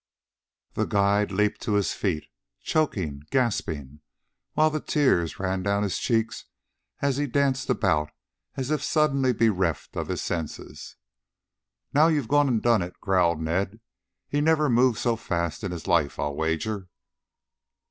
The guide leaped to his feet choking, gasping, while the tears ran down his cheeks as he danced about as if suddenly bereft of his senses. "Now you've gone and done it," growled Ned. "He never moved so fast in his life, I'll wager."